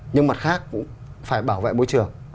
nhưng mặt khác cũng phải bảo vệ môi trường